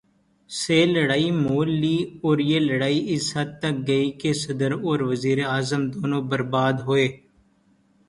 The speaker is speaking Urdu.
سے لڑائی مول لی اور یہ لڑائی اس حد تک گئی کہ صدر اور وزیر اعظم دونوں برباد ہوئے۔